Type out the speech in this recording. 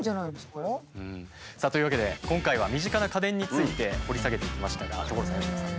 さあというわけで今回は身近な家電について掘り下げていきましたが所さん佳乃さん